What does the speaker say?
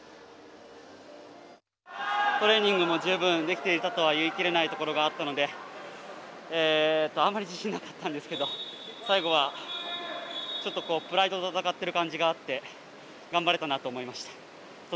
トレーニングも十分できていたとは言い切れないところがあったのであまり自信なかったんですけど最後は、ちょっとプライドと戦っている感じがあって頑張れたなと思いました。